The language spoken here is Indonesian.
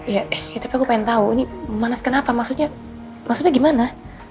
ya eh tapi aku pengen tahu ini memanas kenapa maksudnya gimana